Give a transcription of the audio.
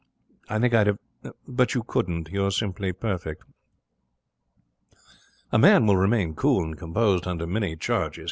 I think I'd have But you couldn't. You're simply perfect.' A man will remain cool and composed under many charges.